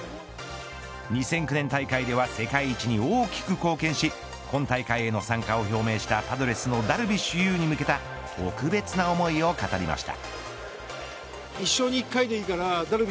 ２００９年大会では世界一に大きく貢献し今大会への参加を表明したパドレスのダルビッシュ有に向けた特別な思いを語りました。